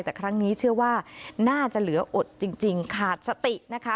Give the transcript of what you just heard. แต่ครั้งนี้เชื่อว่าน่าจะเหลืออดจริงขาดสตินะคะ